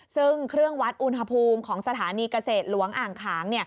ซึ่งเครื่องวัดอุณหภูมิของสถานีเกษตรหลวงอ่างขาง